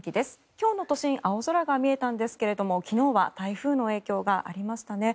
今日の都心青空が見えたんですが昨日は台風の影響がありましたね。